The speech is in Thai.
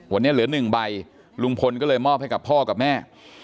วันนี้เหลือ๑ใบลุงพลก็เลยมอบให้กับพ่อกับแม่